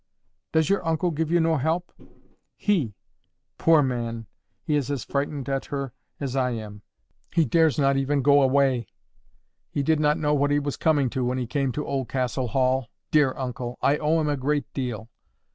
"Does your uncle give you no help?" "He! Poor man! He is as frightened at her as I am. He dares not even go away. He did not know what he was coming to when he came to Oldcastle Hall. Dear uncle! I owe him a great deal.